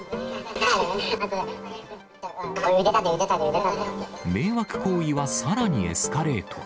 腕立て、腕立て、迷惑行為はさらにエスカレート。